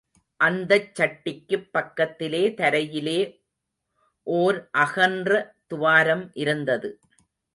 அந்தச் சட்டிக்குப் பக்கத்திலே தரையிலே ஓர் அகன்ற துவாரம் இருந்தது.